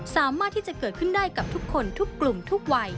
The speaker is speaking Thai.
สามารถที่จะเกิดขึ้นได้กับทุกคนทุกกลุ่มทุกวัย